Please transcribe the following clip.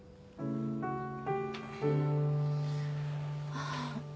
ああ。